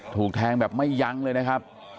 ถูกแทงแบบไม่ยั้งเลยนะครับ